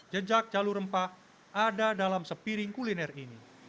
jejak jalur rempah ada dalam sepiring kuliner ini